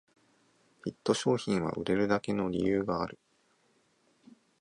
ヒット商品は売れるだけの理由がある